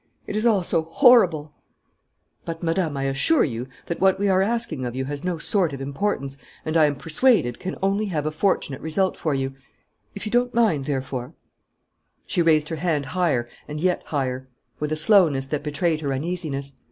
It is all so horrible " "But, Madame, I assure you that what we are asking of you has no sort of importance and, I am persuaded, can only have a fortunate result for you. If you don't mind, therefore " She raised her hand higher and yet higher, with a slowness that betrayed her uneasiness.